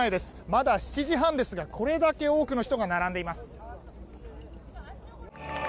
まだ７時半ですがこれだけ多くの人が並んでいます。